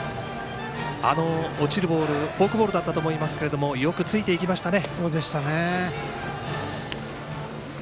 あの落ちるボールフォークボールだったと思いますがよくついていきましたね。